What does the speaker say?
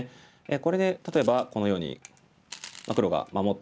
これで例えばこのように黒が守ってきても。